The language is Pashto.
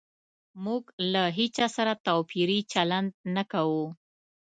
موږ له هيچا سره توپيري چلند نه کوو